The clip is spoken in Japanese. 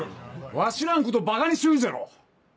わしらんことバカにしちょるじゃろ！